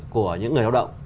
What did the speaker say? của những người lao động